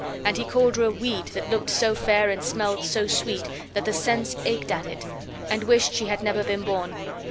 And he called her a weed that looked so fair and smelled so sweet that the sense ached at it; and wished she had never been born.